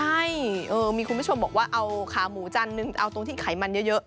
ใช่มีคุณผู้ชมบอกว่าเอาขาหมูจานนึงเอาตรงที่ไขมันเยอะ